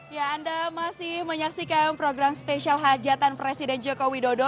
ya anda masih menyaksikan program spesial hajatan presiden joko widodo